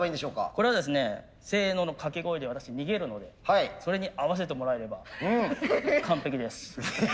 これはですね「せの」の掛け声で私逃げるのでそれに合わせてもらえれば完璧です。